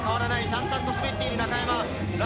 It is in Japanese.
淡々と滑っている中山。